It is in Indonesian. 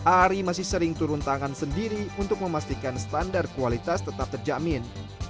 ari masih sering turun tangan sendiri untuk memastikan standar kualitas tetap terjamin